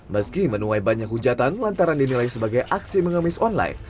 meski menuai banyak hujatan lantaran dinilai sebagai aksi mengemis online